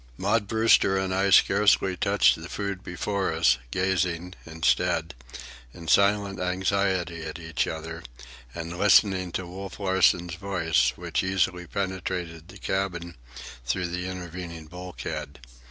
Maud Brewster and I scarcely touched the food before us, gazing, instead, in silent anxiety at each other, and listening to Wolf Larsen's voice, which easily penetrated the cabin through the intervening bulkhead.